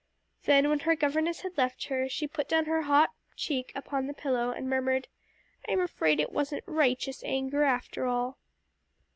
Then when her governess had left her, she put down her hot cheek upon the pillow, and murmured, "I'm afraid it wasn't 'righteous' anger after all."